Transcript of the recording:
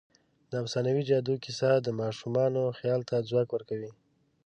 د افسانوي جادو کیسه د ماشومانو خیال ته ځواک ورکوي.